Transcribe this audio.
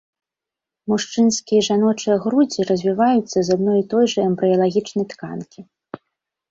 Мужчынскія і жаночыя грудзі развівацца з адной і той жа эмбрыялагічнай тканкі.